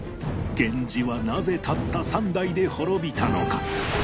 源氏はなぜたった３代で滅びたのか？